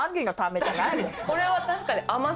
これは確かに。